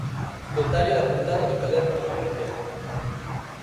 Detalle da portada do caderno 'Aprender'.